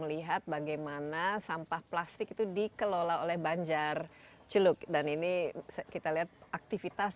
melihat bagaimana sampah plastik itu dikelola oleh banjar celuk dan ini kita lihat aktivitas